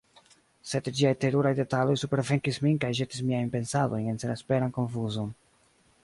Sed ĝiaj teruraj detaloj supervenkis min kaj ĵetis miajn pensadojn en senesperan konfuzon.